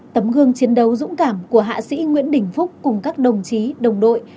tấm gương chiến đấu dũng cảm của hạ sĩ nguyễn đình phúc cùng các đồng chí đồng đội